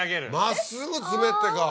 真っすぐ積めってか。